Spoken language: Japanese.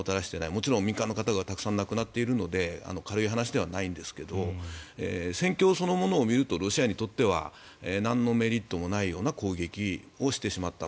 もちろん民間の方がたくさん亡くなっているので軽い話ではないんですが戦況そのものを見るとロシアにとってはなんのメリットもないような攻撃をしてしまった。